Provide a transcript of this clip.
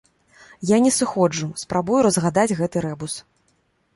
Я не сыходжу, спрабую разгадаць гэты рэбус.